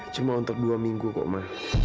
cuma untuk dua minggu kok mah